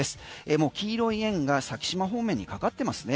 もう黄色い円が先島方面にかかってますね。